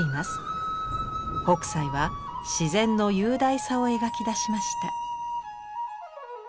北斎は自然の雄大さを描き出しました。